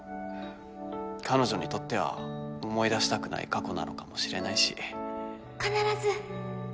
彼女にとっては思い出したくない過去なのかもしれないし必ず